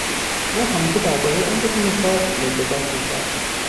او همیشه دربارهی آنچه که میخواست لجاجت میکرد.